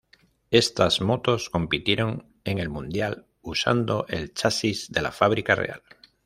Estas motos compitieron en el Mundial usando el chasis de la fábrica "Real".